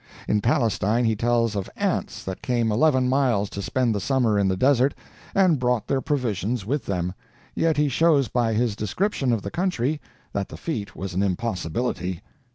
In Palestine he tells of ants that came eleven miles to spend the summer in the desert and brought their provisions with them; yet he shows by his description of the country that the feat was an impossibility.